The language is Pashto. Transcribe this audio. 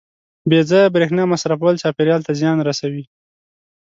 • بې ځایه برېښنا مصرفول چاپېریال ته زیان رسوي.